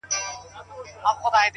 هره تجربه د درک ژورتیا زیاتوي